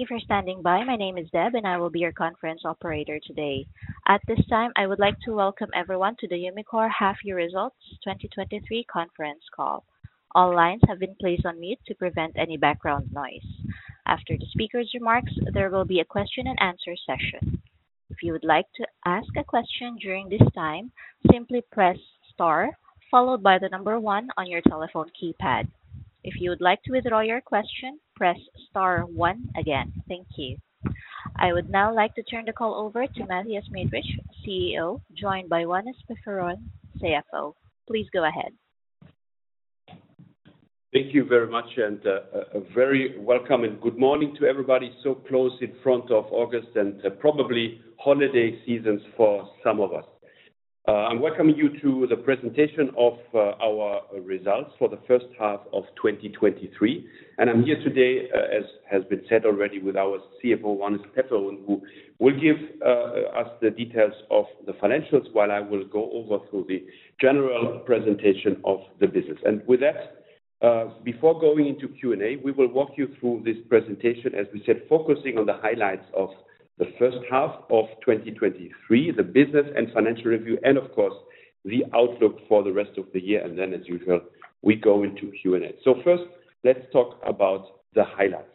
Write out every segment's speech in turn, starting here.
Thank you for standing by. My name is Deb, and I will be your conference operator today. At this time, I would like to welcome everyone to the Umicore Half Year Results 2023 Conference Call. All lines have been placed on mute to prevent any background noise. After the speaker's remarks, there will be a question and answer session. If you would like to ask a question during this time, simply press star followed by one on your telephone keypad. If you would like to withdraw your question, press star one again. Thank you. I would now like to turn the call over to Mathias Miedreich, CEO, joined by Wannes Peferoen, CFO. Please go ahead. Thank you very much. A very welcome and good morning to everybody so close in front of August and probably holiday seasons for some of us. I'm welcoming you to the presentation of our results for the first half of 2023. I'm here today, as has been said already, with our CFO, Wannes Peferoen, who will give us the details of the financials while I will go over through the general presentation of the business. With that, before going into Q&A, we will walk you through this presentation, as we said, focusing on the highlights of the first half of 2023, the business and financial review, and of course, the outlook for the rest of the year. Then, as usual, we go into Q&A. First, let's talk about the highlights.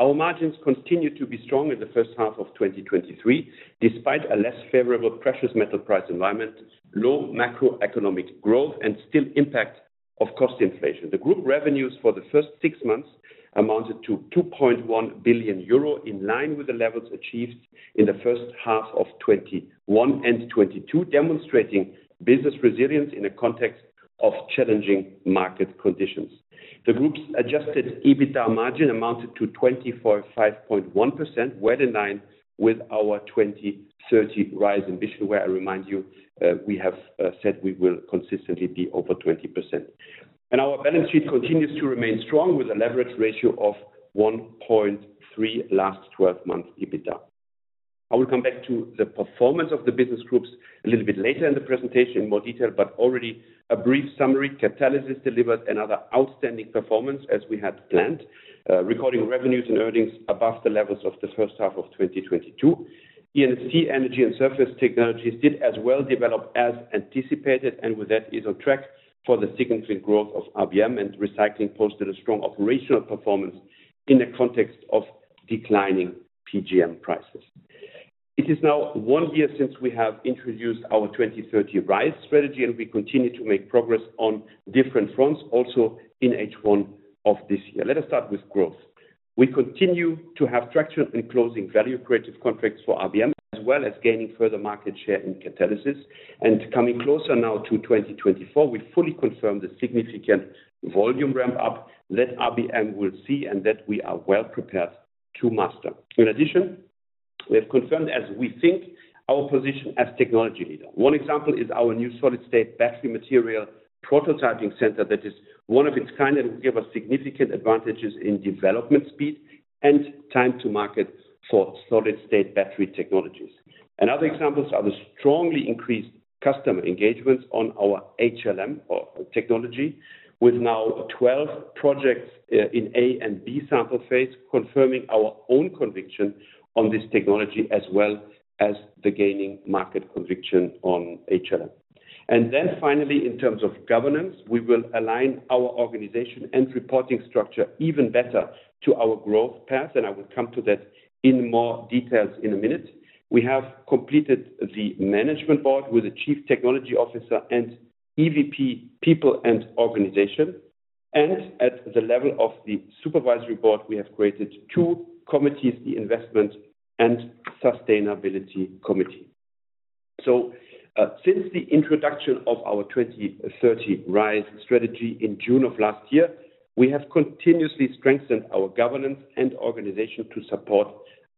Our margins continued to be strong in the first half of 2023, despite a less favorable precious metal price environment, low macroeconomic growth, and still impact of cost inflation. The group revenues for the first six months amounted to 2.1 billion euro, in line with the levels achieved in the first half of 2021 and 2022, demonstrating business resilience in the context of challenging market conditions. The group's adjusted EBITDA margin amounted to 25.1%, well in line with our 2030 RISE ambition, where I remind you, we have said we will consistently be over 20%. Our balance sheet continues to remain strong, with a leverage ratio of 1.3 last twelve-month EBITDA. I will come back to the performance of the business groups a little bit later in the presentation in more detail, but already a brief summary. Catalysis delivered another outstanding performance, as we had planned, recording revenues and earnings above the levels of the first half of 2022. E&C Energy and Surface Technologies did as well develop as anticipated. With that is on track for the significant growth of RBM and Recycling, posted a strong operational performance in the context of declining PGM prices. It is now one year since we have introduced our 2030 RISE strategy. We continue to make progress on different fronts, also in H1 of this year. Let us start with growth. We continue to have traction in closing value creative contracts for RBM, as well as gaining further market share in catalysis and coming closer now to 2024, we fully confirm the significant volume ramp-up that RBM will see and that we are well prepared to master. In addition, we have confirmed, as we think, our position as technology leader. One example is our new Solid-State Battery Material Prototyping Center. That is one of its kind and will give us significant advantages in development, speed, and time to market for solid-state battery technologies. Another examples are the strongly increased customer engagements on our HLM or technology, with now 12 projects in A and B sample phase, confirming our own conviction on this technology, as well as the gaining market conviction on HLM. Then finally, in terms of governance, we will align our organization and reporting structure even better to our growth path, and I will come to that in more details in a minute. We have completed the management board with the Chief Technology Officer and EVP People and Organization, and at the level of the supervisory board, we have created 2 committees, the Investment and Sustainability Committee. Since the introduction of our 2030 RISE strategy in June of last year, we have continuously strengthened our governance and organization to support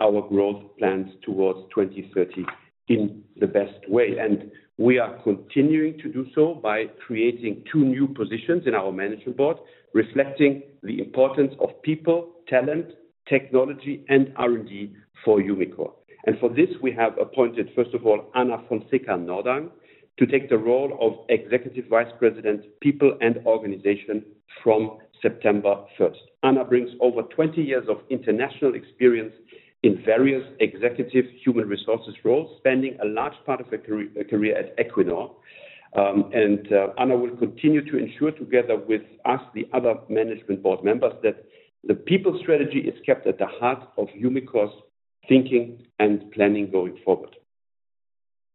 our growth plans towards 2030 in the best way. We are continuing to do so by creating 2 new positions in our management board, reflecting the importance of people, talent, technology, and R&D for Umicore. For this, we have appointed, first of all, Ana Fonseca Nordang, to take the role of Executive Vice President, People and Organization from September 1st. Ana brings over 20 years of international experience in various executive human resources roles, spending a large part of her career at Equinor. Ana will continue to ensure, together with us, the other management board members, that the people strategy is kept at the heart of Umicore's thinking and planning going forward.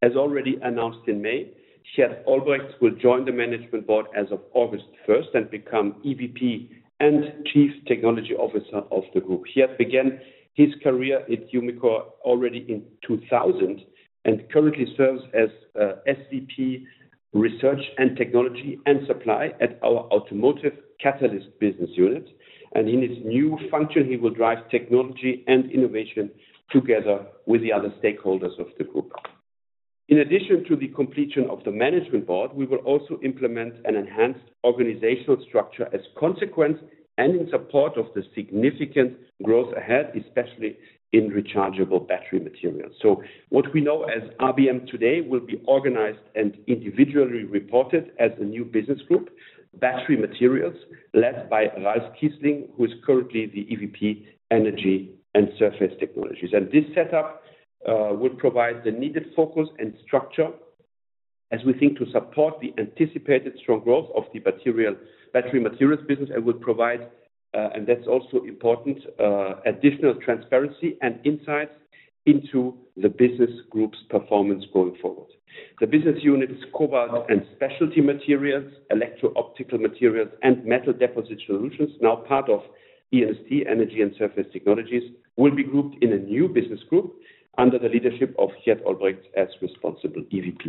As already announced in May, Geert Olbrechts will join the management board as of August 1st and become EVP and Chief Technology Officer of the group. Geert began his career at Umicore already in 2000 and currently serves as SVP, Research and Technology, and Supply at our Automotive Catalysts business unit. In his new function, he will drive technology and innovation together with the other stakeholders of the group. In addition to the completion of the management board, we will also implement an enhanced organizational structure as consequence and in support of the significant growth ahead, especially in rechargeable battery materials. What we know as RBM today will be organized and individually reported as a new business group, Battery Materials, led by Ralph Kiessling, who is currently the EVP, Energy & Surface Technologies. This setup will provide the needed focus and structure as we think to support the anticipated strong growth of the material, battery materials business and will provide, and that's also important, additional transparency and insight into the business group's performance going forward. The business units, Cobalt & Specialty Materials, Electro-Optic Materials, and Metal Deposition Solutions, now part of EST, Energy & Surface Technologies, will be grouped in a new business group under the leadership of Geert Olbrechts as responsible EVP.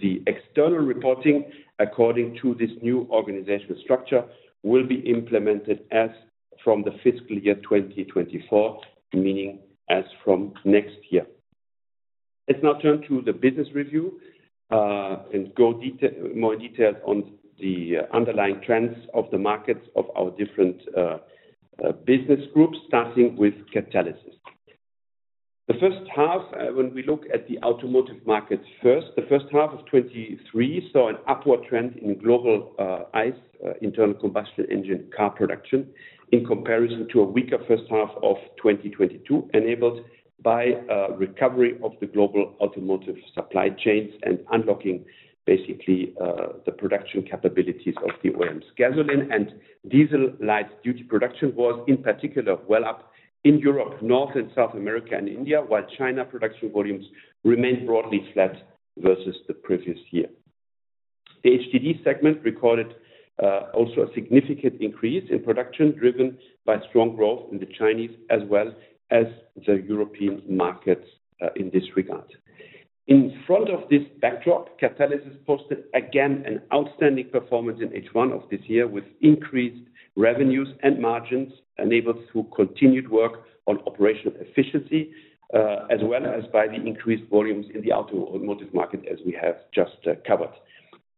The external reporting, according to this new organizational structure, will be implemented as from the fiscal year 2024, meaning as from next year. Let's now turn to the business review, and go detail, more detailed on the underlying trends of the markets of our different business groups, starting with Catalysis. The first half, when we look at the automotive markets first, the first half of 2023 saw an upward trend in global ICE, internal combustion engine car production, in comparison to a weaker first half of 2022, enabled by a recovery of the global automotive supply chains and unlocking basically the production capabilities of the OEMs. Gasoline and diesel light-duty production was, in particular, well up in Europe, North and South America and India, while China production volumes remained broadly flat versus the previous year. The HDD segment recorded also a significant increase in production, driven by strong growth in the Chinese, as well as the European markets in this regard. In front of this backdrop, Catalysis posted again, an outstanding performance in H1 of this year, with increased revenues and margins enabled through continued work on operational efficiency, as well as by the increased volumes in the automotive market, as we have just covered.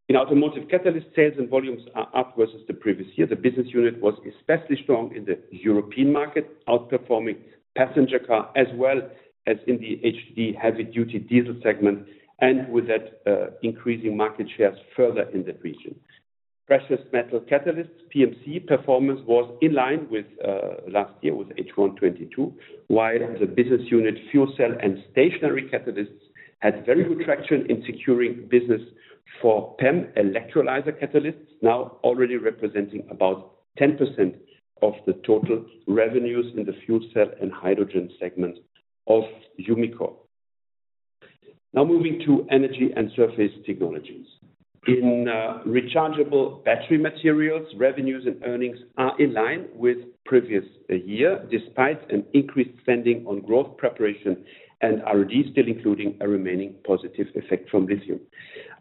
In automotive catalyst, sales and volumes are up versus the previous year. The business unit was especially strong in the European market, outperforming passenger car, as well as in the HD, Heavy-Duty Diesel segment, and with that, increasing market shares further in that region. Precious Metal Catalysts, PMC, performance was in line with last year, with H1 2022, while the business unit, Fuel Cell and Stationary Catalysts, had very good traction in securing business for PEM electrolysis catalysts, now already representing about 10% of the total revenues in the fuel cell and hydrogen segment of Umicore. Now moving to Energy & Surface Technologies. In Rechargeable Battery Materials, revenues and earnings are in line with previous year, despite an increased spending on growth preparation and R&D, still including a remaining positive effect from lithium.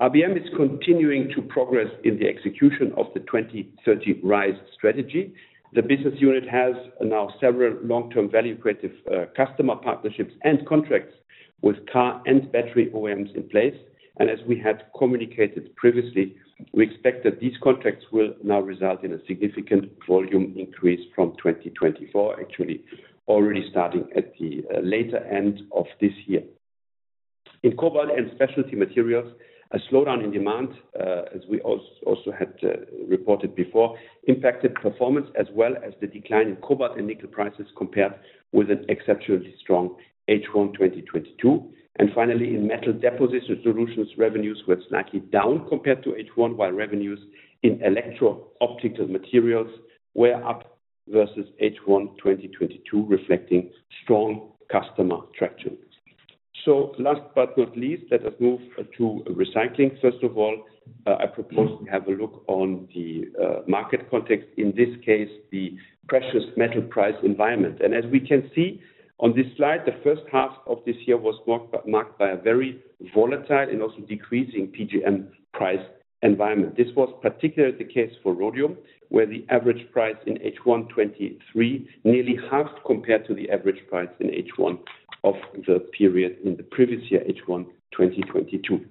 RBM is continuing to progress in the execution of the 2030 RISE strategy. The business unit has now several long-term value creative customer partnerships and contracts with car and battery OEMs in place. As we had communicated previously, we expect that these contracts will now result in a significant volume increase from 2024, actually already starting at the later end of this year. In Cobalt & Specialty Materials, a slowdown in demand, as we had reported before, impacted performance as well as the decline in cobalt and nickel prices, compared with an exceptionally strong H1 2022. Finally, in Metal Deposition Solutions, revenues were slightly down compared to H1, while revenues in Electro-Optic Materials were up versus H1 2022, reflecting strong customer traction. Last but not least, let us move to Recycling. First of all, I propose we have a look on the market context, in this case, the precious metal price environment. As we can see on this slide, the first half of this year was marked by a very volatile and also decreasing PGM price environment. This was particularly the case for rhodium, where the average price in H1 2023 nearly halved compared to the average price in H1 of the period in the previous year, H1 2022.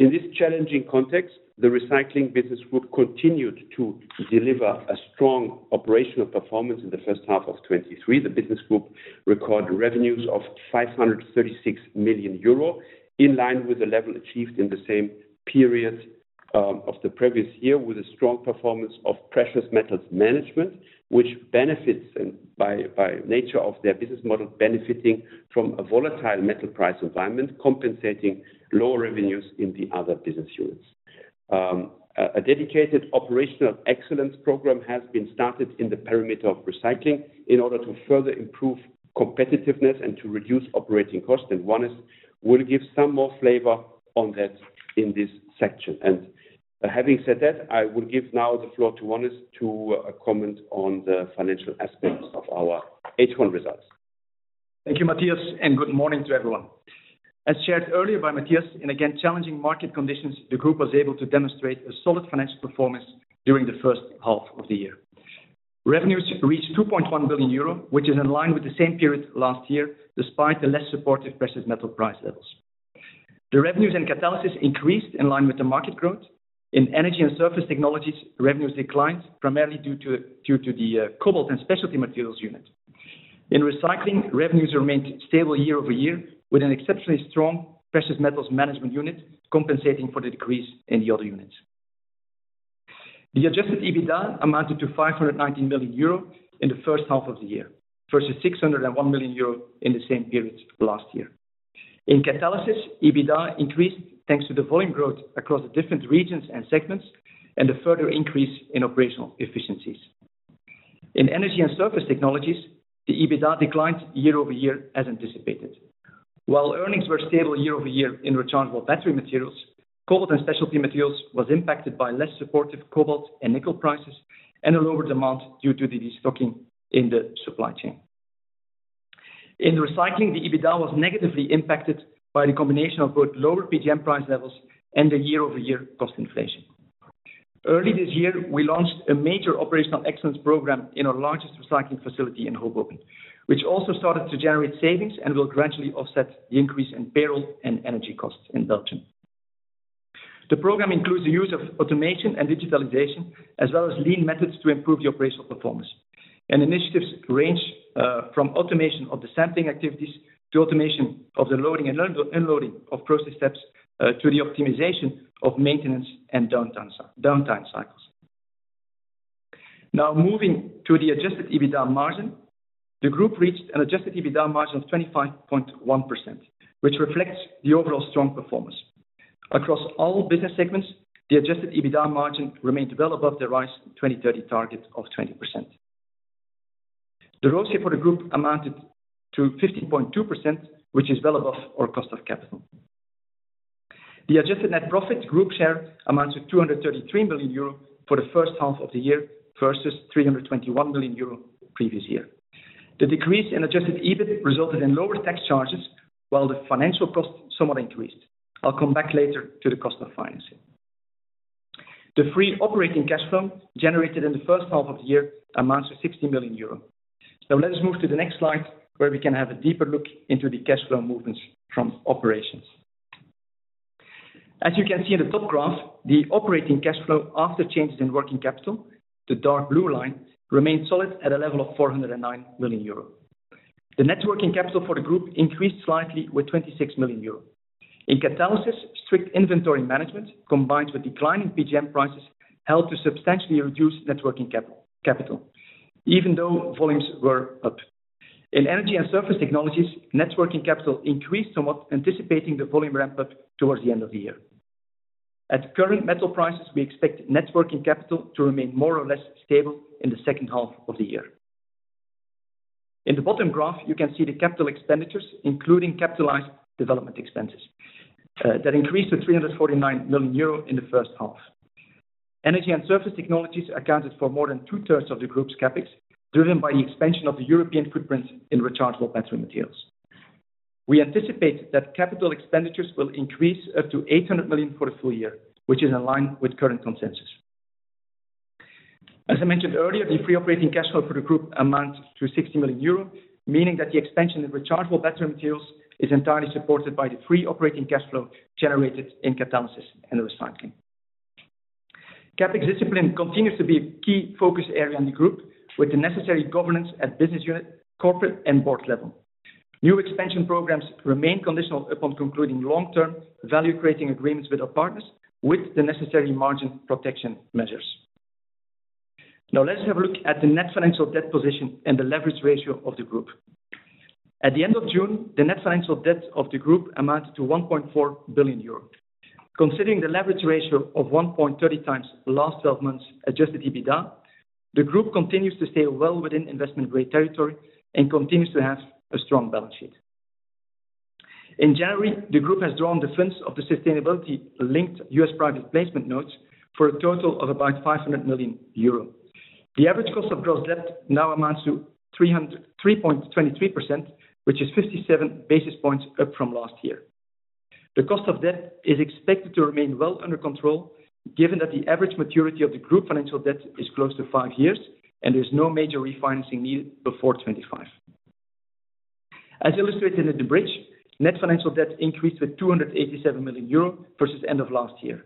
In this challenging context, the Recycling business group continued to deliver a strong operational performance in the first half of 2023. The business group recorded revenues of 536 million euro, in line with the level achieved in the same period of the previous year, with a strong performance of Precious Metals Management, which benefits and by nature of their business model, benefiting from a volatile metal price environment, compensating lower revenues in the other business units. A dedicated operational excellence program has been started in the perimeter of Recycling in order to further improve competitiveness and to reduce operating costs. Wannes will give some more flavor on that in this section. Having said that, I will give now the floor to Wannes to comment on the financial aspects of our H1 results. Thank you, Mathias, good morning to everyone. As shared earlier by Mathias, in again, challenging market conditions, the group was able to demonstrate a solid financial performance during the first half of the year. Revenues reached 2.1 billion euro, which is in line with the same period last year, despite the less supportive precious metal price levels. The revenues and catalysis increased in line with the market growth. In Energy and Surface Technologies, revenues declined, primarily due to the Cobalt and Specialty Materials unit. In Recycling, revenues remained stable year-over-year, with an exceptionally strong Precious Metals Management unit compensating for the decrease in the other units. The adjusted EBITDA amounted to 519 million euro in the first half of the year, versus 601 million euro in the same period last year. In Catalysis, EBITDA increased, thanks to the volume growth across the different regions and segments, and a further increase in operational efficiencies. In Energy & Surface Technologies, the EBITDA declined year-over-year as anticipated. While earnings were stable year-over-year in rechargeable battery materials, Cobalt & Specialty Materials was impacted by less supportive cobalt and nickel prices and a lower demand due to the destocking in the supply chain. In Recycling, the EBITDA was negatively impacted by the combination of both lower PGM price levels and the year-over-year cost inflation. Early this year, we launched a major operational excellence program in our largest recycling facility in Hoboken, which also started to generate savings and will gradually offset the increase in payroll and energy costs in Belgium. The program includes the use of automation and digitalization, as well as lean methods to improve the operational performance. Initiatives range from automation of the sampling activities to automation of the loading and unloading of process steps, to the optimization of maintenance and downtime cycles. Now, moving to the adjusted EBITDA margin, the group reached an adjusted EBITDA margin of 25.1%, which reflects the overall strong performance. Across all business segments, the adjusted EBITDA margin remained well above the RISE 2030 target of 20%. The ROCE for the group amounted to 15.2%, which is well above our cost of capital. The adjusted net profit group share amounts to 233 million euro for the first half of the year, versus 321 billion euro previous year. The decrease in adjusted EBIT resulted in lower tax charges, while the financial cost somewhat increased. I'll come back later to the cost of financing. The free operating cash flow generated in the first half of the year amounts to 60 million euros. Let us move to the next slide, where we can have a deeper look into the cash flow movements from operations. As you can see in the top graph, the operating cash flow after changes in working capital, the dark blue line, remained solid at a level of 409 million euro. The net working capital for the group increased slightly with 26 million euro. In Catalysis, strict inventory management, combined with declining PGM prices, helped to substantially reduce net working capital, even though volumes were up. In Energy & Surface Technologies, net working capital increased somewhat, anticipating the volume ramp-up towards the end of the year. At current metal prices, we expect net working capital to remain more or less stable in the second half of the year. In the bottom graph, you can see the capital expenditures, including capitalized development expenses, that increased to 349 million euro in the first half. Energy & Surface Technologies accounted for more than 2/3 of the group's CapEx, driven by the expansion of the European footprint in rechargeable battery materials. We anticipate that capital expenditures will increase up to 800 million for the full year, which is in line with current consensus. As I mentioned earlier, the free operating cash flow for the group amounts to 60 million euro, meaning that the expansion of rechargeable battery materials is entirely supported by the free operating cash flow generated in catalysis and recycling. CapEx discipline continues to be a key focus area in the group, with the necessary governance at business unit, corporate, and board level. New expansion programs remain conditional upon concluding long-term value-creating agreements with our partners, with the necessary margin protection measures. Now, let's have a look at the net financial debt position and the leverage ratio of the group. At the end of June, the net financial debt of the group amounted to 1.4 billion euro. Considering the leverage ratio of 1.30x last twelve months adjusted EBITDA, the group continues to stay well within investment-grade territory and continues to have a strong balance sheet. In January, the group has drawn the funds of the sustainability-linked U.S. private placement notes for a total of about 500 million euro. The average cost of gross debt now amounts to 3.23%, which is 57 basis points up from last year. The cost of debt is expected to remain well under control, given that the average maturity of the group financial debt is close to five years, and there's no major refinancing needed before 2025. As illustrated in the bridge, net financial debt increased with 287 million euro versus end of last year.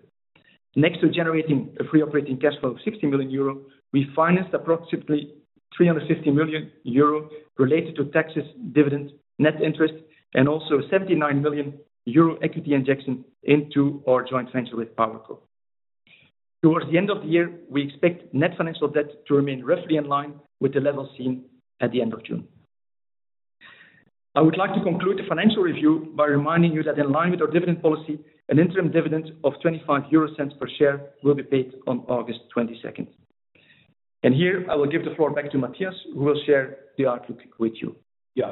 Next to generating a free operating cash flow of 60 million euro, we financed approximately 350 million euro related to taxes, dividends, net interest, and also 79 million euro equity injection into our joint venture with PowerCo. Towards the end of the year, we expect net financial debt to remain roughly in line with the level seen at the end of June. I would like to conclude the financial review by reminding you that in line with our dividend policy, an interim dividend of 0.25 per share will be paid on August 22nd. Here, I will give the floor back to Mathias, who will share the outlook with you.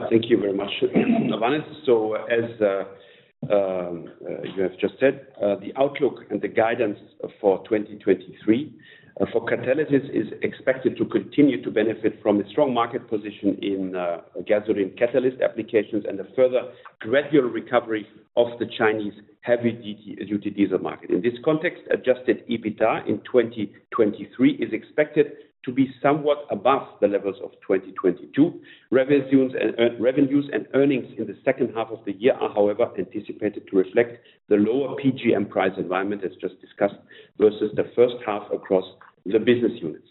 Thank you very much, Johannes. As you have just said, the outlook and the guidance for 2023 for Catalysis is expected to continue to benefit from a strong market position in gasoline catalyst applications and a further gradual recovery of the Chinese heavy-duty diesel market. In this context, adjusted EBITDA in 2023 is expected to be somewhat above the levels of 2022. Revenues and earnings in the second half of the year are, however, anticipated to reflect the lower PGM price environment, as just discussed, versus the first half across the business units.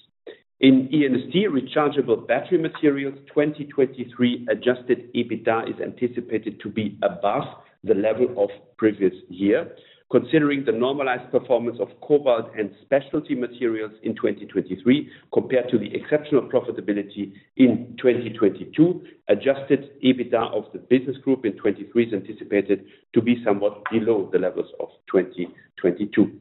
In ENST, rechargeable battery materials, 2023 adjusted EBITDA is anticipated to be above the level of previous year. Considering the normalized performance of Cobalt & Specialty Materials in 2023, compared to the exceptional profitability in 2022. Adjusted EBITDA of the business group in 2023 is anticipated to be somewhat below the levels of 2022.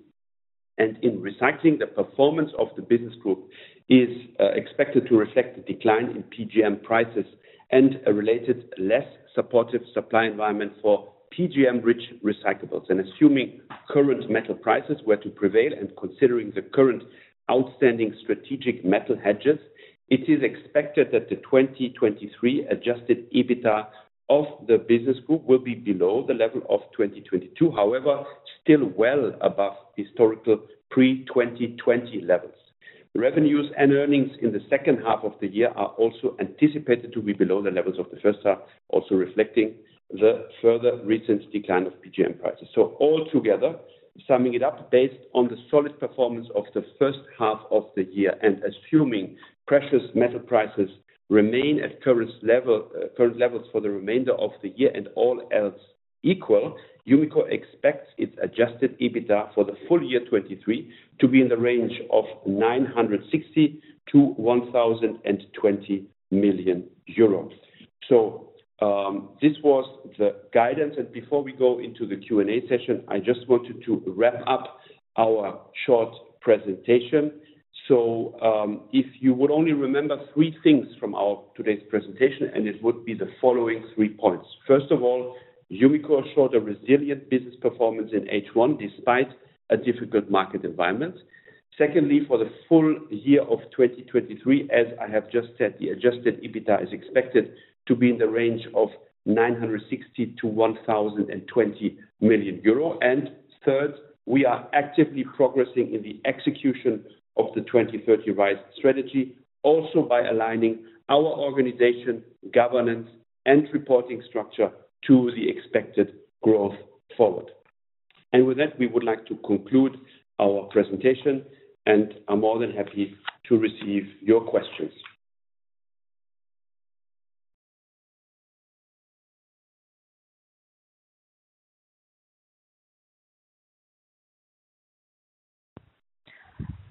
In recycling, the performance of the business group is expected to reflect the decline in PGM prices and a related less supportive supply environment for PGM-rich recyclables. Assuming current metal prices were to prevail, and considering the current outstanding strategic metal hedges, it is expected that the 2023 Adjusted EBITDA of the business group will be below the level of 2022. Still well above historical pre-2020 levels. Revenues and earnings in the second half of the year are also anticipated to be below the levels of the first half, also reflecting the further recent decline of PGM prices. All together, summing it up, based on the solid performance of the first half of the year, and assuming precious metal prices remain at current level, current levels for the remainder of the year and all else equal, Umicore expects its adjusted EBITDA for the full year 2023 to be in the range of 960 million-1,020 million euros. This was the guidance, and before we go into the Q&A session, I just wanted to wrap up our short presentation. If you would only remember three things from our today's presentation, and it would be the following 3 points. First of all, Umicore showed a resilient business performance in H1 despite a difficult market environment. Secondly, for the full year of 2023, as I have just said, the adjusted EBITDA is expected to be in the range of 960 million-1,020 million euro. Third, we are actively progressing in the execution of the 2030 revised strategy, also by aligning our organization, governance, and reporting structure to the expected growth forward. With that, we would like to conclude our presentation, and I'm more than happy to receive your questions.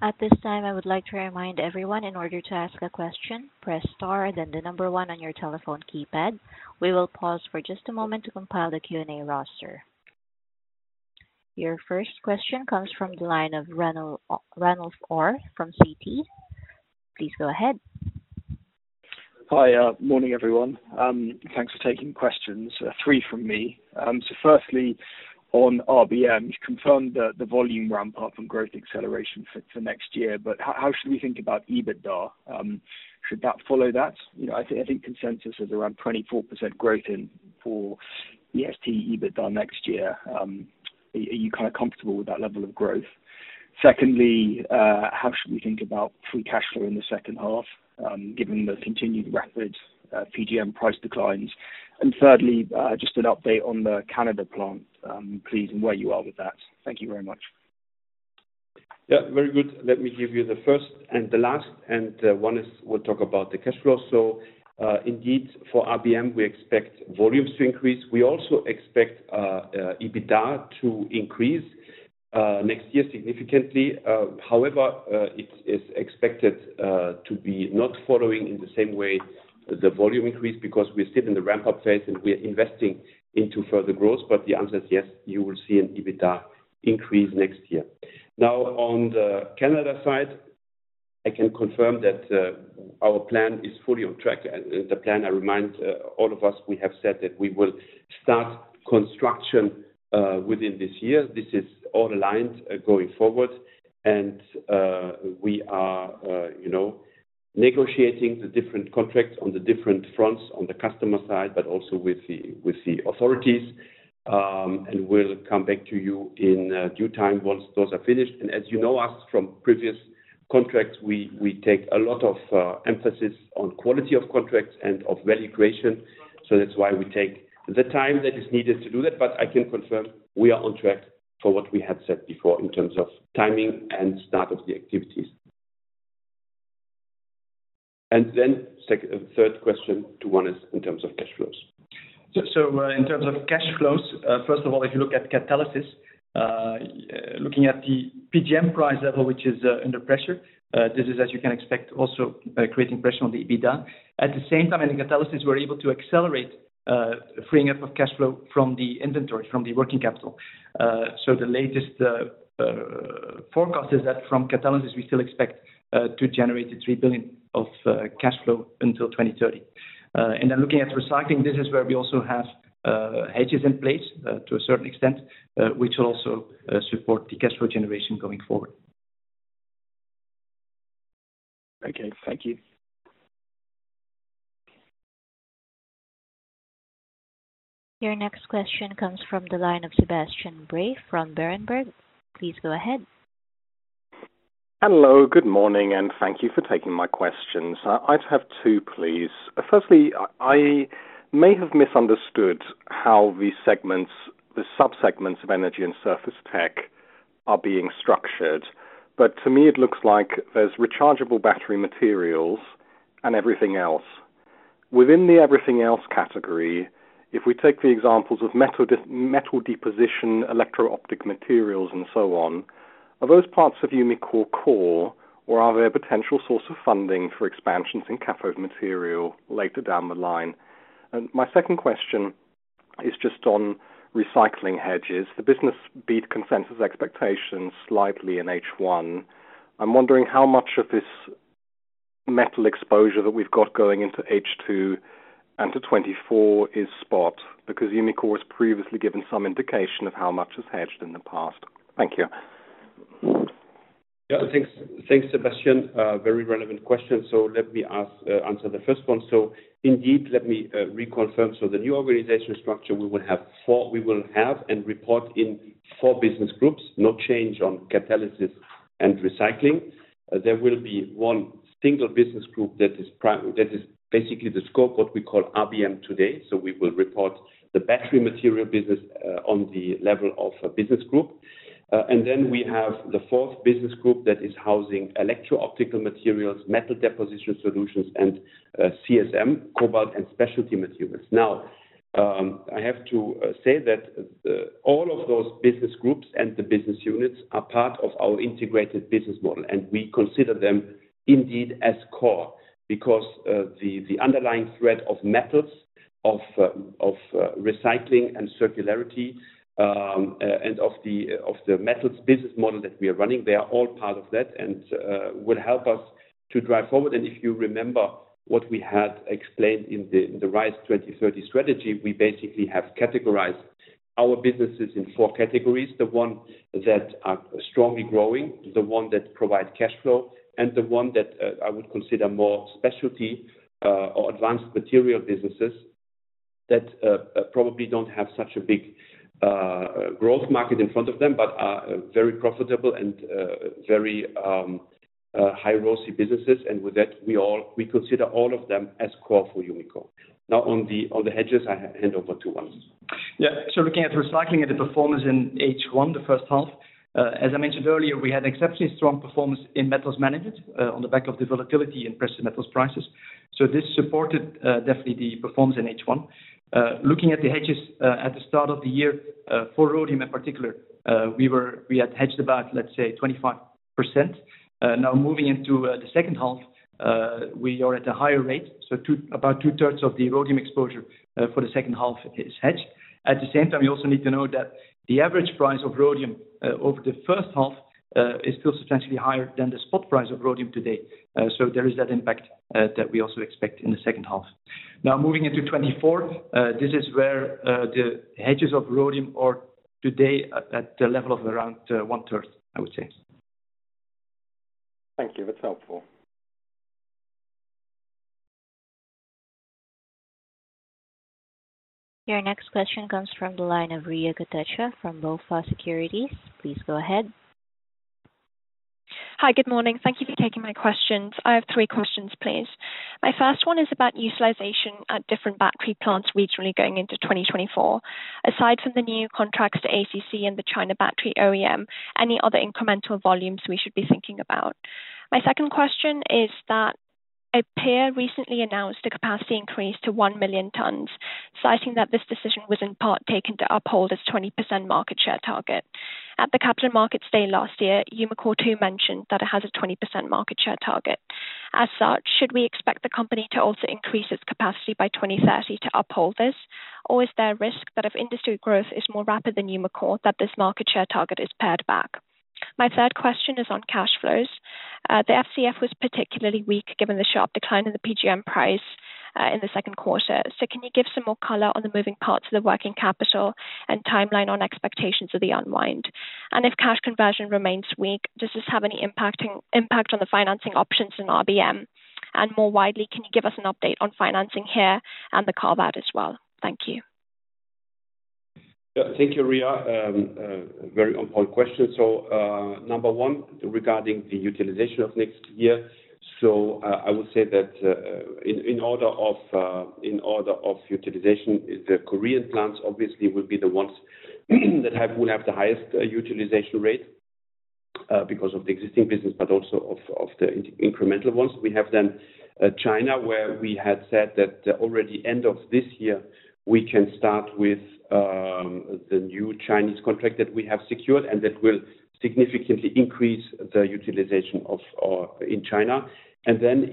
At this time, I would like to remind everyone, in order to ask a question, press star, then the number one on your telephone keypad. We will pause for just a moment to compile the Q&A roster. Your first question comes from the line of Ranulf Orr from Citi. Please go ahead. Hi. Morning, everyone. Thanks for taking questions. Three from me. Firstly, on RBM, you confirmed the volume ramp up from growth acceleration for next year, but how should we think about EBITDA? Should that follow that? You know, I think consensus is around 24% growth for EST EBITDA next year. Are you kind of comfortable with that level of growth? Secondly, how should we think about free cash flow in the second half, given the continued rapid PGM price declines? Thirdly, just an update on the Canada plant, please, and where you are with that. Thank you very much. Yeah, very good. Let me give you the first and the last, and one is we'll talk about the cash flow. Indeed, for RBM, we expect volumes to increase. We also expect EBITDA to increase next year significantly. However, it is expected to be not following in the same way the volume increase, because we're still in the ramp-up phase, and we are investing into further growth. The answer is yes, you will see an EBITDA increase next year. On the Canada side, I can confirm that our plan is fully on track. The plan, I remind all of us, we have said that we will start construction within this year. This is all aligned, going forward, and we are, you know, negotiating the different contracts on the different fronts on the customer side, but also with the, with the authorities. We'll come back to you in due time once those are finished. As you know us from previous contracts, we, we take a lot of emphasis on quality of contracts and of value creation. That's why we take the time that is needed to do that. I can confirm we are on track for what we had said before in terms of timing and start of the activities. Third question, to Wannes is in terms of cash flows. In terms of cash flows, first of all, if you look at catalysis, looking at the PGM price level, which is under pressure, this is, as you can expect, also, creating pressure on the EBITDA. At the same time, in the catalysis, we're able to accelerate freeing up of cash flow from the inventory, from the working capital. The latest forecast is that from catalysis, we still expect to generate 3 billion of cash flow until 2030. Looking at recycling, this is where we also have hedges in place to a certain extent, which will also support the cash flow generation going forward. Okay. Thank you. Your next question comes from the line of Sebastian Bray from Berenberg. Please go ahead. Hello, good morning, and thank you for taking my questions. I'd have two, please. Firstly, I, I may have misunderstood how the subsegments of Energy and Surface Tech are being structured, but to me, it looks like there's rechargeable battery materials and everything else. Within the everything else category, if we take the examples of metal deposition, Electro-Optic Materials, and so on, are those parts of Umicore core, or are they a potential source of funding for expansions in cathode material later down the line? My second question is just on recycling hedges. The business beat consensus expectations slightly in H1. I'm wondering how much of this metal exposure that we've got going into H2 and to 2024 is spot, because Umicore has previously given some indication of how much is hedged in the past. Thank you. Yeah. Thanks, thanks, Sebastian. Very relevant question. Let me ask, answer the first one. Indeed, let me reconfirm. The new organizational structure, we will have and report in four business groups, no change on Catalysis and Recycling. There will be one single business group that is basically the scope, what we call RBM today. We will report the Battery Materials business on the level of a business group. We have the fourth business group that is housing Electro-Optic Materials, Metal Deposition Solutions, and CSM, Cobalt & Specialty Materials. I have to say that all of those business groups and the business units are part of our integrated business model, and we consider them indeed as core. The, the underlying thread of methods of recycling and circularity, and of the, of the methods business model that we are running, they are all part of that and will help us to drive forward. If you remember what we had explained in the, in the RISE 2030 strategy, we basically have categorized our businesses in four categories. The one that are strongly growing, the one that provide cash flow, and the one that I would consider more specialty or advanced material businesses that probably don't have such a big growth market in front of them, but are very profitable and very high-risk businesses. With that, we all, we consider all of them as core for Umicore. Now on the, on the hedges, I hand over to Wannes. Yeah. Looking at recycling and the performance in H1, the first half, as I mentioned earlier, we had exceptionally strong performance in Metals Management on the back of the volatility in precious metals prices. This supported definitely the performance in H1. Looking at the hedges at the start of the year, for rhodium in particular, we had hedged about, let's say, 25%. Now, moving into the second half, we are at a higher rate, so about 2/3 of the rhodium exposure for the second half is hedged. At the same time, you also need to know that the average price of rhodium over the first half is still substantially higher than the spot price of rhodium today. There is that impact that we also expect in the second half. Now, moving into 2024, this is where the hedges of rhodium are today, at the level of around 1/3, I would say. Thank you. That's helpful. Your next question comes from the line of Riya Kotecha from BofA Securities. Please go ahead. Hi, good morning. Thank you for taking my questions. I have three questions, please. My first one is about utilization at different battery plants regionally going into 2024. Aside from the new contracts, the ACC and the China battery OEM, any other incremental volumes we should be thinking about? My second question is that a peer recently announced a capacity increase to 1 million tons, citing that this decision was in part taken to uphold its 20% market share target. At the Capital Market Day last year, Umicore, too, mentioned that it has a 20% market share target. As such, should we expect the company to also increase its capacity by 2030 to uphold this? Or is there a risk that if industry growth is more rapid than Umicore, that this market share target is pared back? My third question is on cash flows. The FCF was particularly weak, given the sharp decline in the PGM price in the second quarter. Can you give some more color on the moving parts of the working capital and timeline on expectations of the unwind? If cash conversion remains weak, does this have any impact on the financing options in RBM? More widely, can you give us an update on financing here and the carve-out as well? Thank you. Yeah. Thank you, Riya. Very on point question. Number one, regarding the utilization of next year, I would say that in order of in order of utilization, the Korean plants obviously will be the ones that have, will have the highest utilization rate because of the existing business, but also of the incremental ones. We have China, where we had said that already end of this year, we can start with the new Chinese contract that we have secured, and that will significantly increase the utilization in China. In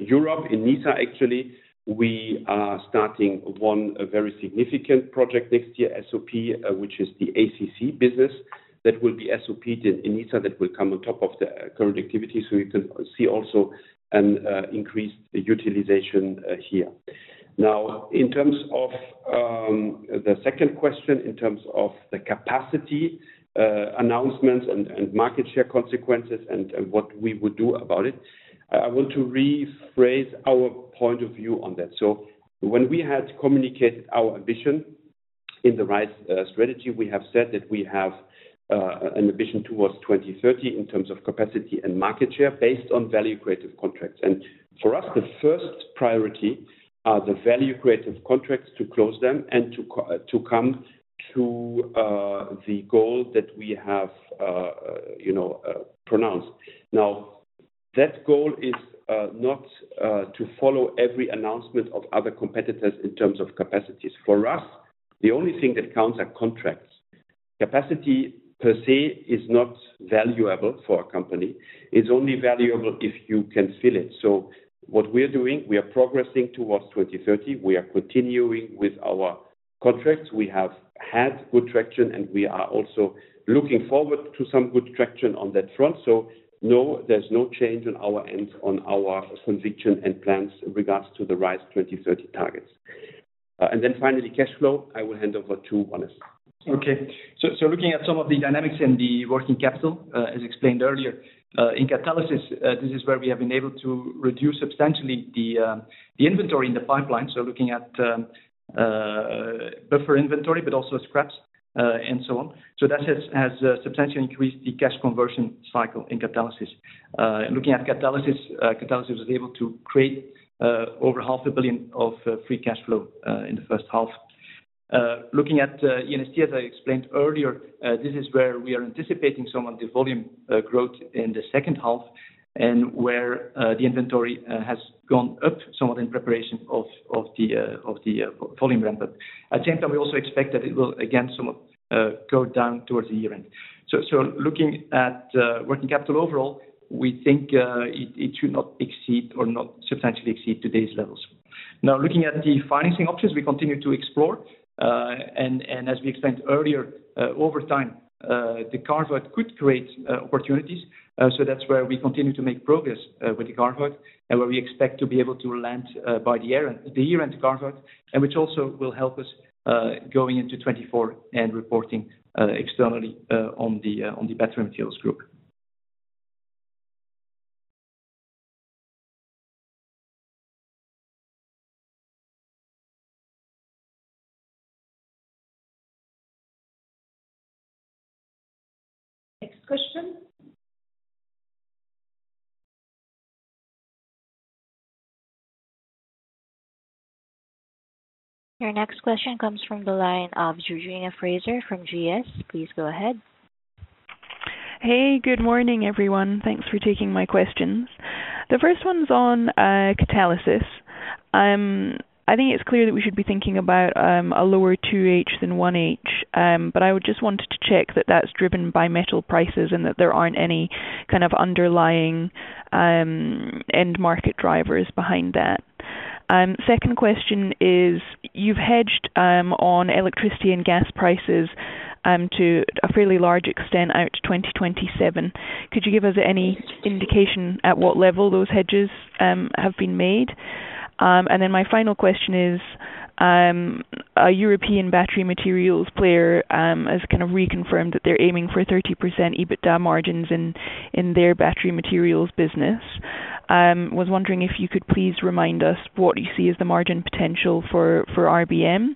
Europe, in Nysa, actually, we are starting one very significant project next year, SOP, which is the ACC business. That will be SOP in Nysa. That will come on top of the current activity. We can see also an increased utilization here. In terms of the second question, in terms of the capacity announcements and market share consequences and what we would do about it, I want to rephrase our point of view on that. When we had communicated our ambition in the right strategy. We have said that we have an ambition towards 2030 in terms of capacity and market share based on value creative contracts. For us, the 1st priority are the value creative contracts, to close them and to come to the goal that we have, you know, pronounced. That goal is not to follow every announcement of other competitors in terms of capacities. For us, the only thing that counts are contracts. Capacity per se, is not valuable for a company. It's only valuable if you can fill it. What we are doing, we are progressing towards 2030. We are continuing with our contracts. We have had good traction, and we are also looking forward to some good traction on that front. No, there's no change on our end, on our conviction and plans in regards to the RISE 2030 targets. Then finally, cash flow. I will hand over to Wannes. Okay. Looking at some of the dynamics in the working capital, as explained earlier, in catalysis, this is where we have been able to reduce substantially the inventory in the pipeline. Looking at buffer inventory, but also scraps, and so on. That has, has, substantially increased the cash conversion cycle in catalysis. Looking at catalysis, catalysis was able to create over 500 million of free cash flow in the first half. Looking at ENST, as I explained earlier, this is where we are anticipating some of the volume growth in the second half, and where the inventory has gone up somewhat in preparation of the volume ramp-up. At the same time, we also expect that it will, again, somewhat, go down towards the year-end. Looking at working capital overall, we think, it, it should not exceed or not substantially exceed today's levels. Looking at the financing options, we continue to explore, and, and as we explained earlier, over time, the carve-out could create, opportunities. That's where we continue to make progress, with the carve-out and where we expect to be able to land, by the year end, the year-end carve-out, and which also will help us, going into 2024 and reporting, externally, on the, on the Battery Materials group. Next question. Your next question comes from the line of Georgina Fraser from GS. Please go ahead. Hey, good morning, everyone. Thanks for taking my questions. The first one's on catalysis. I think it's clear that we should be thinking about a lower 2H than 1H. I would just wanted to check that that's driven by metal prices, and that there aren't any kind of underlying end market drivers behind that. Second question is, you've hedged on electricity and gas prices to a fairly large extent out to 2027. Could you give us any indication at what level those hedges have been made? My final question is, a European battery materials player has kind of reconfirmed that they're aiming for 30% EBITDA margins in their battery materials business. Was wondering if you could please remind us what you see as the margin potential for, for RBM,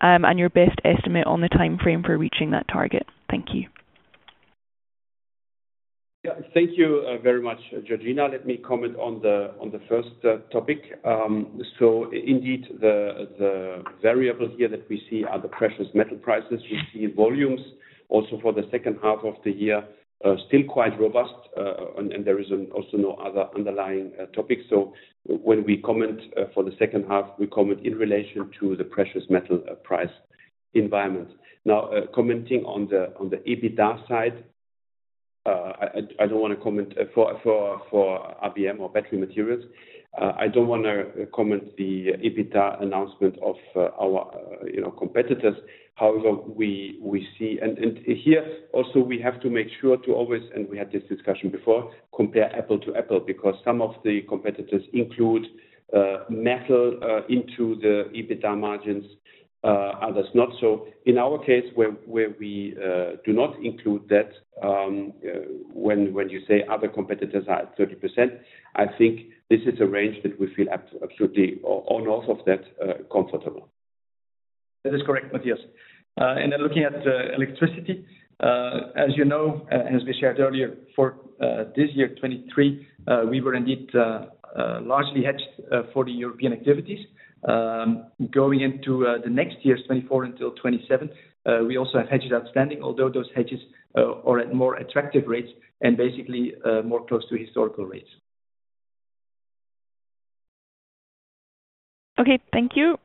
and your best estimate on the time frame for reaching that target. Thank you. Yeah. Thank you very much, Georgina. Let me comment on the, on the first topic. Indeed, the, the variable here that we see are the precious metal prices. We see volumes also for the second half of the year, still quite robust, and, and there is also no other underlying topic. When we comment for the second half, we comment in relation to the precious metal price environment. Now, commenting on the, on the EBITDA side, I, I, don't want to comment for, for, for RBM or Battery Materials. I don't want to comment the EBITDA announcement of our, you know, competitors. However, we, we see... Here also, we have to make sure to always, and we had this discussion before, compare Apple to Apple, because some of the competitors include metal into the EBITDA margins, others not. In our case, where, where we do not include that, when, when you say other competitors are at 30%, I think this is a range that we feel ab- absolutely on off of that, comfortable. That is correct, Mathias. And then looking at electricity, as you know, as we shared earlier, for this year, 2023, we were indeed largely hedged for the European activities. Going into the next years, 2024 until 2027, we also have hedges outstanding, although those hedges are at more attractive rates and basically more close to historical rates. Okay, thank you.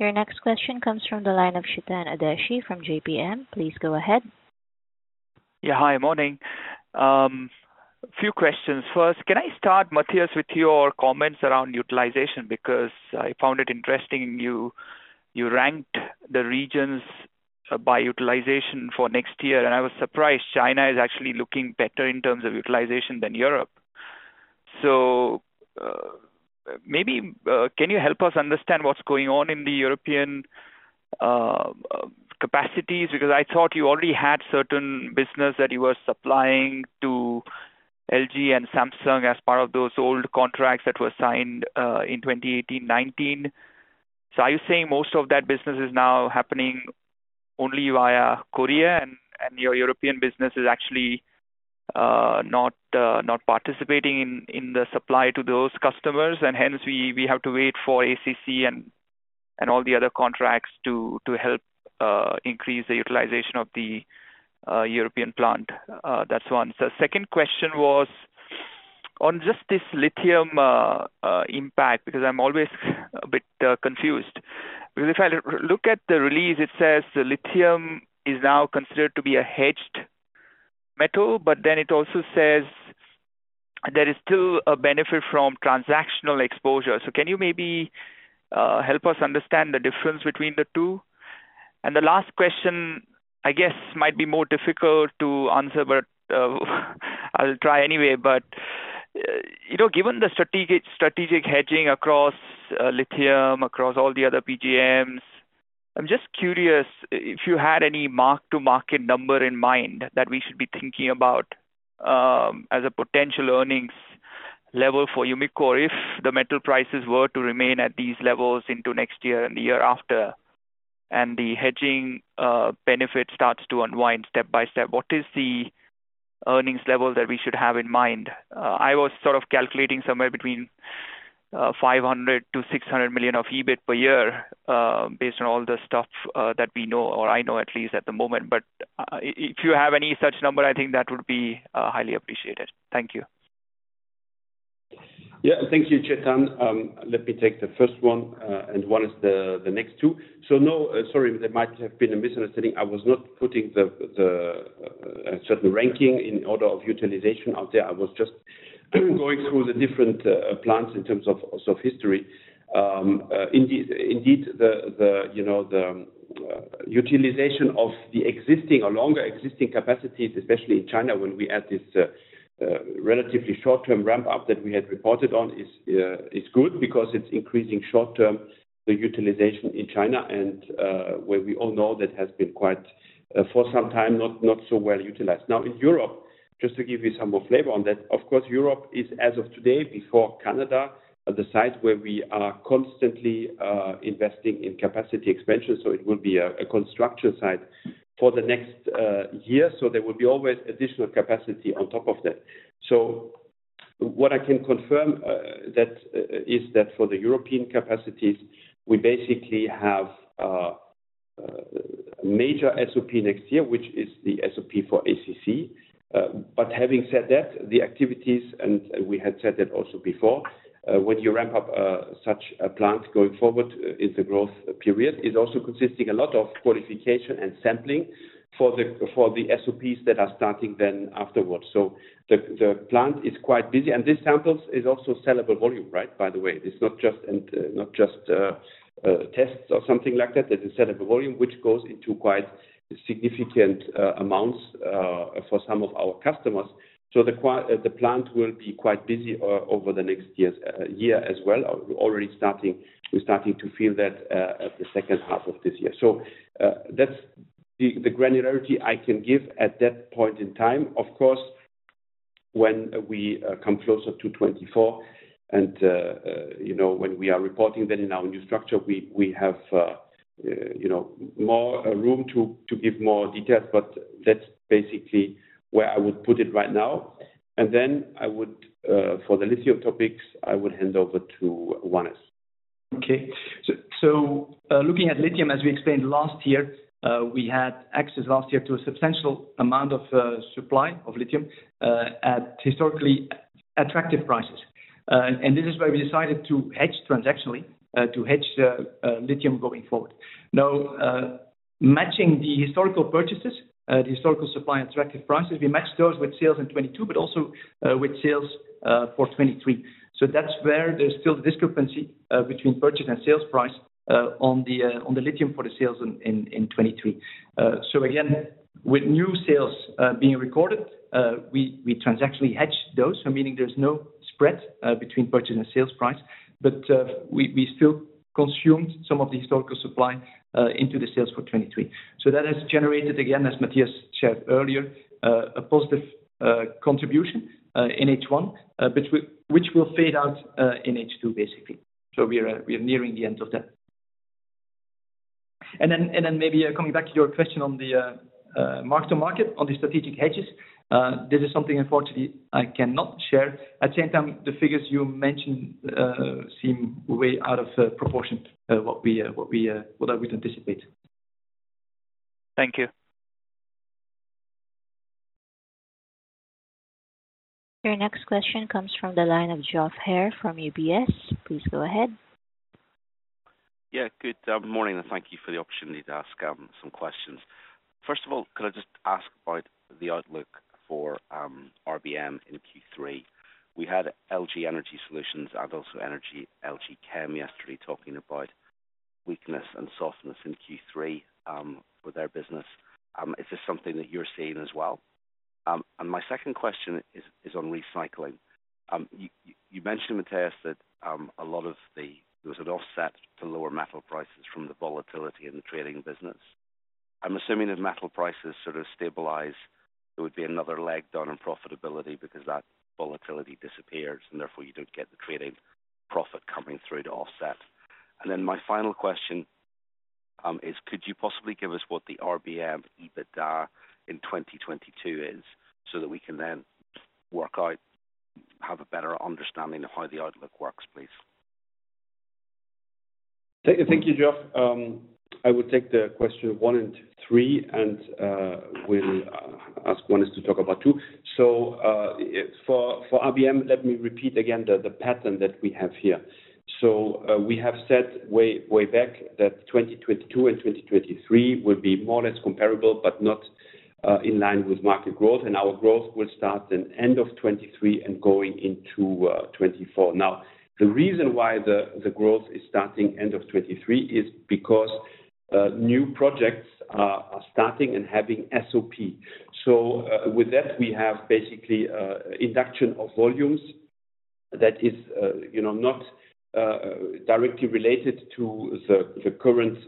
Your next question comes from the line of Chetan Udeshi from JPM. Please go ahead. Yeah, hi. Morning. A few questions. First, can I start, Mathias, with your comments around utilization? Because I found it interesting you ranked the regions by utilization for next year, and I was surprised China is actually looking better in terms of utilization than Europe. Maybe can you help us understand what's going on in the European capacities, because I thought you already had certain business that you were supplying to LG and Samsung as part of those old contracts that were signed in 2018, 2019. Are you saying most of that business is now happening only via Korea, and your European business is actually not participating in the supply to those customers? Hence we, we have to wait for ACC and all the other contracts to help increase the utilization of the European plant. That's one. The second question was on just this lithium impact, because I'm always a bit confused. If I look at the release, it says the lithium is now considered to be a hedged metal, but then it also says there is still a benefit from transactional exposure. Can you maybe help us understand the difference between the two? The last question, I guess, might be more difficult to answer, but I'll try anyway. You know, given the strategic, strategic hedging across lithium, across all the other PGMs, I'm just curious if you had any mark-to-market number in mind that we should be thinking about as a potential earnings level for Umicore, if the metal prices were to remain at these levels into next year and the year after, and the hedging benefit starts to unwind step by step, what is the earnings level that we should have in mind? I was sort of calculating somewhere between 500 million-600 million of EBIT per year, based on all the stuff that we know, or I know at least at the moment. If you have any such number, I think that would be highly appreciated. Thank you. Yeah, thank you, Chetan. Let me take the first one, and one is the, the next two. No, sorry, there might have been a misunderstanding. I was not putting the, the certain ranking in order of utilization out there. I was just going through the different plants in terms of, of history. Indeed, indeed, the, the, you know, the utilization of the existing or longer existing capacities, especially in China, when we add this relatively short-term ramp-up that we had reported on, is good because it's increasing short term, the utilization in China, and where we all know that has been quite for some time, not, not so well utilized. In Europe, just to give you some more flavor on that, of course, Europe is, as of today, before Canada, the site where we are constantly investing in capacity expansion, so it will be a, a construction site for the next year. There will be always additional capacity on top of that. What I can confirm that is that for the European capacities, we basically have major SOP next year, which is the SOP for ACC. But having said that, the activities, and we had said that also before, when you ramp up such a plant going forward in the growth period, is also consisting a lot of qualification and sampling for the SOPs that are starting then afterwards. The plant is quite busy, and these samples is also sellable volume, right? By the way. It's not just, not just tests or something like that. It's a sellable volume, which goes into quite significant amounts for some of our customers. The plant will be quite busy over the next years, year as well. We're already starting to feel that at the second half of this year. That's the granularity I can give at that point in time. Of course, when we come closer to 2024 and, you know, when we are reporting then in our new structure, we have, you know, more room to give more details, but that's basically where I would put it right now. I would for the lithium topics, I would hand over to Wannes. Okay. Looking at lithium, as we explained last year, we had access last year to a substantial amount of supply of lithium at historically attractive prices. This is why we decided to hedge transactionally, to hedge lithium going forward. Now, matching the historical purchases, the historical supply and attractive prices, we matched those with sales in 2022, but also, with sales for 2023. That's where there's still discrepancy between purchase and sales price on the lithium for the sales in 2023. Again, with new sales being recorded, we transactionally hedge those, so meaning there's no spread between purchase and sales price. We still consumed some of the historical supply into the sales for 2023. That has generated, again, as Mathias shared earlier, a positive contribution in H1, which will fade out in H2, basically. We are, we are nearing the end of that. Then, then maybe, coming back to your question on the mark-to-market, on the strategic hedges. This is something, unfortunately, I cannot share. At the same time, the figures you mentioned, seem way out of proportion, what we, what we, what I would anticipate. Thank you. Your next question comes from the line of Geoff Haire from UBS. Please go ahead. Yeah, good morning, thank you for the opportunity to ask some questions. First of all, could I just ask about the outlook for RBM in Q3? We had LG Energy Solutions and also Energy LG Chem yesterday, talking about weakness and softness in Q3 for their business. Is this something that you're seeing as well? My second question is, is on recycling. You, you mentioned, Mathias, that a lot of there was an offset to lower metal prices from the volatility in the trading business. I'm assuming as metal prices sort of stabilize, there would be another leg down in profitability because that volatility disappears, and therefore, you don't get the trading profit coming through to offset. My final question, is could you possibly give us what the RBM EBITDA in 2022 is, so that we can then work out, have a better understanding of how the outlook works, please? Thank you, thank you, Geoff. I will take the question one and three, and we'll ask Wannes to talk about two. For RBM, let me repeat again the pattern that we have here. We have said way, way back that 2022 and 2023 would be more or less comparable, but not in line with market growth. Our growth will start in end of 2023 and going into 2024. Now, the reason why the growth is starting end of 2023 is because new projects are starting and having SOP. With that, we have basically induction of volumes that is, you know, not directly related to the current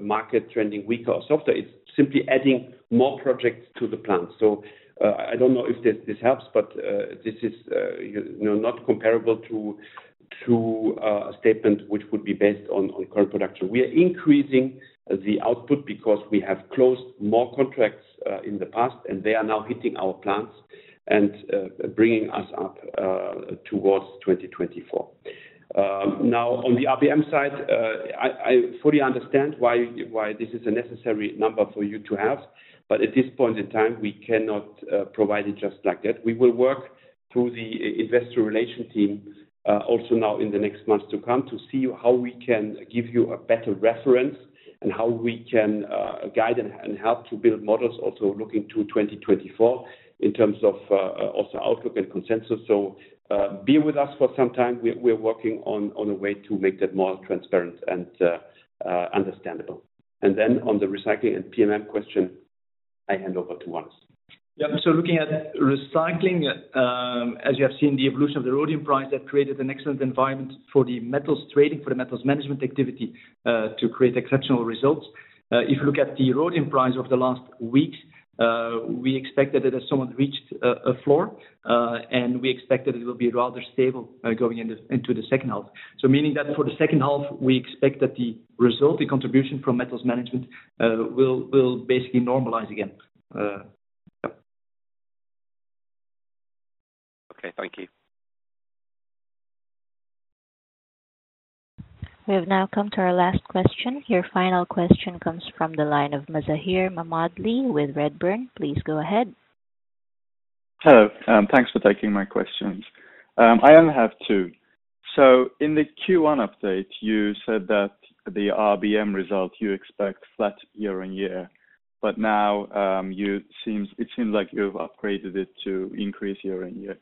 market trending weaker or softer. It's simply adding more projects to the plant. I don't know if this, this helps, but this is, you know, not comparable to a statement which would be based on current production. We are increasing the output because we have closed more contracts in the past, and they are now hitting our plants and bringing us up towards 2024. Now on the RBM side, I fully understand why, why this is a necessary number for you to have, but at this point in time, we cannot provide it just like that. We will work through the investor relation team, also now in the next months to come, to see how we can give you a better reference, and how we can guide and help to build models also looking to 2024, in terms of also outlook and consensus. Bear with us for some time. We're working on a way to make that more transparent and understandable. Then on the recycling and PMM question, I hand over to Wannes. Yeah. Looking at recycling, as you have seen the evolution of the rhodium price, that created an excellent environment for the metals trading, for the metals management activity, to create exceptional results. If you look at the rhodium price over the last weeks, we expect that it has somewhat reached a, a floor, and we expect that it will be rather stable, going into, into the second half. Meaning that for the second half, we expect that the resulting contribution from metals management, will, will basically normalize again. Yep. Okay, thank you. We have now come to our last question. Your final question comes from the line of Mazahir Mammadli with Redburn. Please go ahead. Hello, thanks for taking my questions. I only have two. In the Q1 update, you said that the RBM result, you expect flat year-on-year, but now, It seems like you've upgraded it to increase year-on-year.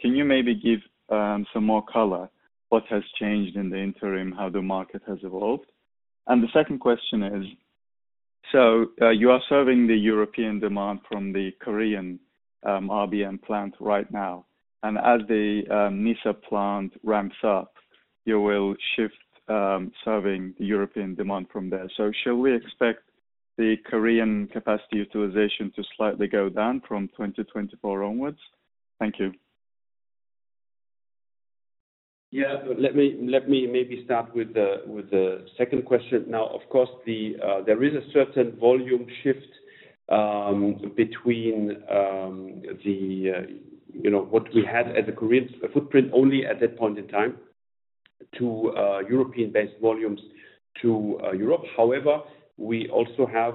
Can you maybe give some more color, what has changed in the interim, how the market has evolved? The second question is: you are serving the European demand from the Korean RBM plant right now, and as the Nysa plant ramps up, you will shift serving the European demand from there. Should we expect the Korean capacity utilization to slightly go down from 2024 onwards? Thank you. Yeah. Let me, let me maybe start with the, with the second question. Now, of course, there is a certain volume shift between the, you know, what we had as a Korean footprint, only at that point in time, to European-based volumes to Europe. However, we also have,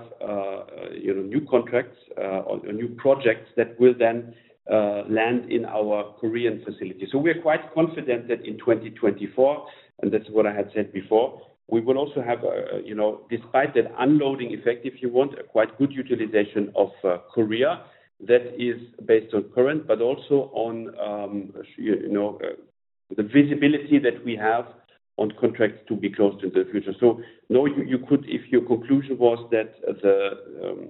you know, new contracts or new projects that will then land in our Korean facility. We're quite confident that in 2024, and that's what I had said before, we will also have a, you know, despite that unloading effect, if you want, a quite good utilization of Korea. That is based on current, but also on, you, you know, the visibility that we have on contracts to be closed in the future. No, you, you could, if your conclusion was that the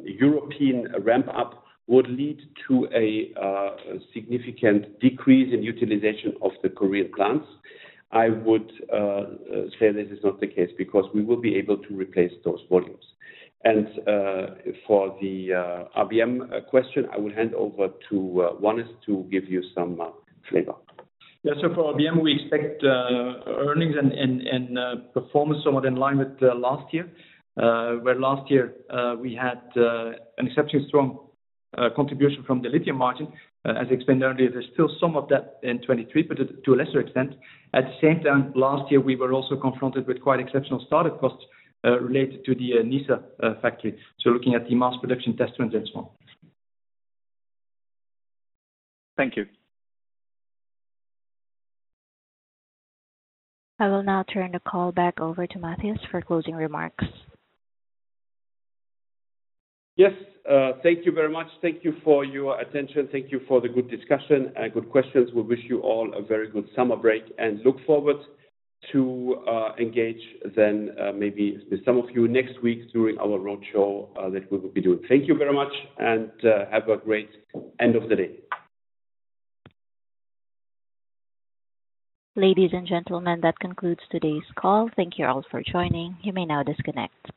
European ramp up would lead to a significant decrease in utilization of the Korean plants, I would say this is not the case, because we will be able to replace those volumes. For the RBM question, I will hand over to Wannes Peferoen to give you some flavor. Yeah. For RBM, we expect earnings and performance somewhat in line with last year. Where last year, we had an exceptionally strong contribution from the lithium margin. As explained earlier, there's still some of that in 2023, but to a lesser extent. At the same time, last year, we were also confronted with quite exceptional startup costs related to the Nysa factory. Looking at the mass production test runs and so on. Thank you. I will now turn the call back over to Mathias for closing remarks. Yes, thank you very much. Thank you for your attention. Thank you for the good discussion and good questions. We wish you all a very good summer break and look forward to engage then, maybe with some of you next week during our roadshow, that we will be doing. Thank you very much. Have a great end of the day. Ladies and gentlemen, that concludes today's call. Thank you all for joining. You may now disconnect.